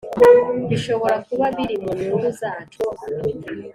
bishobora kuba birimunyungu zacu."